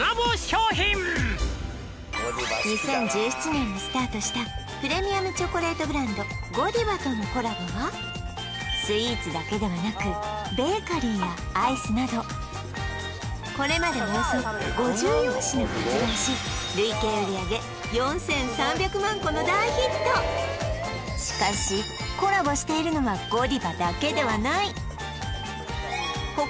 ２０１７年にスタートしたプレミアムチョコレートブランドゴディバとのコラボはスイーツだけではなくベーカリーやアイスなどこれまでおよそ５４品発売し累計売上４３００万個の大ヒットしかしコラボしているのかあっ